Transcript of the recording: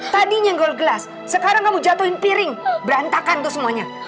tadi nyenggol gelas sekarang kamu jatuhin piring berantakan tuh semuanya